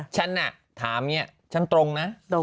ฉันน่ะถามเนี่ยฉันตรงนะ